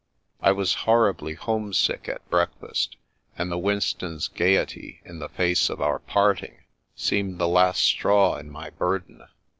I was horribly homesick at breakfast, and the Winstons' gaiety in the face of our parting seemed the last straw in my burden.